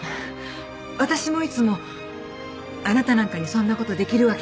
私もいつも「あなたなんかにそんなことできるわけがない」